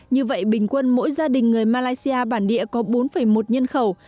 như vậy bình quân mỗi gia đình người malaysia bản địa có bốn một nhân khẩu